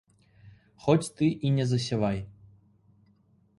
Хоць ты і не засявай.